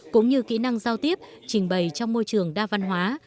cũng như kỹ năng giao tiếp trình bày trong môi trường đa văn hóa